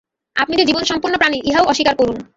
আপনি যে জীবনসম্পন্ন প্রাণী, ইহাও অস্বীকার করুন।